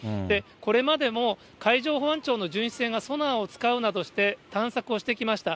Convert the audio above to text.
これまでも海上保安庁の巡視船がソナーを使うなどして探索をしてきました。